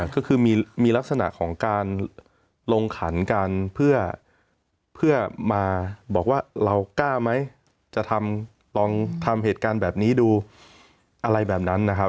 ก็คือมีลักษณะของการลงขันกันเพื่อมาบอกว่าเรากล้าไหมจะทำลองทำเหตุการณ์แบบนี้ดูอะไรแบบนั้นนะครับ